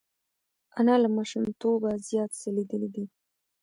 انا له ماشومتوبه زیات څه لیدلي دي